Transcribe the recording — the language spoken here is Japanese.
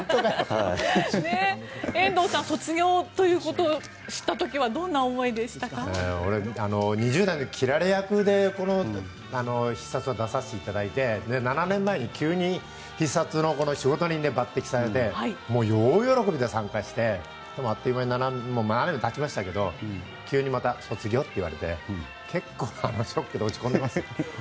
遠藤さん、卒業を知った時２０代で切られ役でこの「必殺」に出させていただいて７年前に急に「必殺仕事人」で抜擢されてもう大喜びで参拝してあっという間に７年経ちましたけど急にまた卒業といわれてショックで落ち込んでいます。